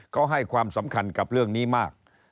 เขาให้ความสำคัญกับเรื่องนี้มาก